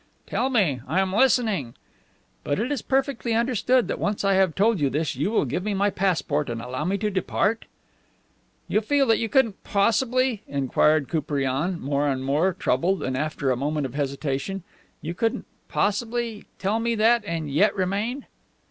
"Tell me. I am listening." "But it is perfectly understood that once I have told you this you will give me my passport and allow me to depart?" "You feel that you couldn't possibly," inquired Koupriane, more and more troubled, and after a moment of hesitation, "you couldn't possibly tell me that and yet remain?"